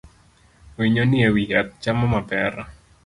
Winyo ni ewi yath chamo mapera